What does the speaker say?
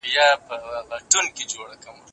زده کړه د ټولنې بنسټ دی.